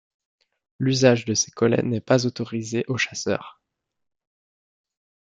L'usage de ces collets n'est pas autorisé aux chasseurs.